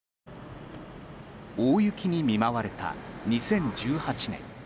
大雪に見舞われた２０１８年。